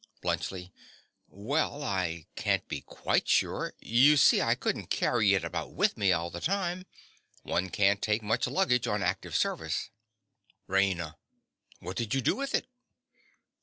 BLUNTSCHLI. Well, I can't be quite sure. You see I couldn't carry it about with me all the time: one can't take much luggage on active service. RAINA. What did you do with it?